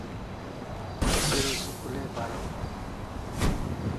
Malgeri school ai paraw